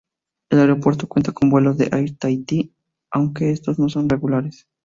El aeropuerto cuenta con vuelos de Air Tahití, aunque estos no son regulares.